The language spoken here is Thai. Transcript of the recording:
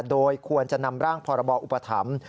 โดยควรจะนำร่างพรบอุปถัมภ์